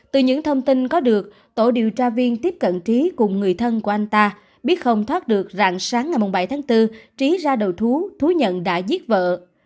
từ những thông tin có được tổ điều tra viên tiếp cận trí cùng người thân của anh ta biết không thoát được rạng sáng ngày bảy tháng bốn trí ra đầu thú nhận đã giết vợ